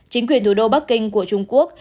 chính quyền thủ đô bắc kinh của trung quốc